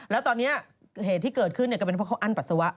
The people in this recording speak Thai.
แล้วตอนนี้เหตุที่เกิดขึ้นก็เป็นเพราะเขาอั้นปัสสาวะ